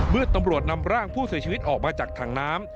ตำรวจนำร่างผู้เสียชีวิตออกมาจากถังน้ำ